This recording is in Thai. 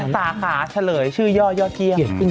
สาขาเฉลยชื่อย่อยอดเยี่ยม